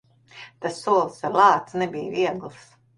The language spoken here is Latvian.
Tas solis ar lāci nebija viegls.